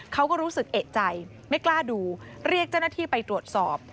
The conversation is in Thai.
เขาก็รู้สึกเอกใจไม่กล้าดูเรียกเจ้าหน้าที่ไปตรวจสอบ